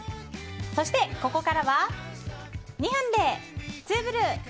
そして、ここからは２分でツウぶる！